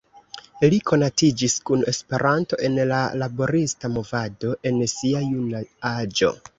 Li konatiĝis kun Esperanto en la laborista movado en sia juna aĝo.